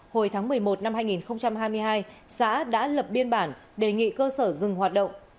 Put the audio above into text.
hồi tháng một mươi một năm hai nghìn hai mươi hai xã đã lập biên bản đề nghị cơ sở dừng hoạt động